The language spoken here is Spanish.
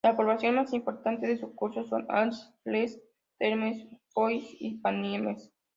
Las poblaciones más importantes de su curso son Ax-les-Thermes, Foix y Pamiers.